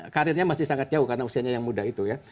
karirnya masih sangat jauh karena usianya yang muda itu ya